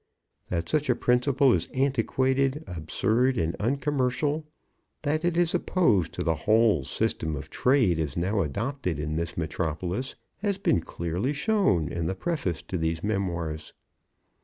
That such a principle is antiquated, absurd, and uncommercial; that it is opposed to the whole system of trade as now adopted in this metropolis, has been clearly shown in the preface to these memoirs.